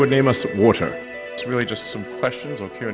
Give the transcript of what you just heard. ini benar benar beberapa pertanyaan atau pertanyaan